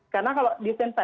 karena kalau disinfektan